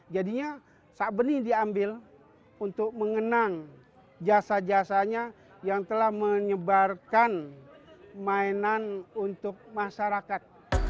jadinya sabeni diambil untuk mengenang jasa jasanya yang telah menyebarkan mainan untuk masyarakat